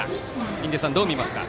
印出さん、どう見ますか。